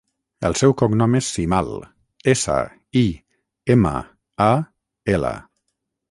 El seu cognom és Simal: essa, i, ema, a, ela.